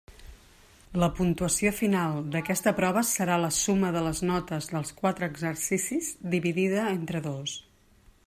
La puntuació final d'aquesta prova serà la suma de les notes dels quatre exercicis dividida entre dos.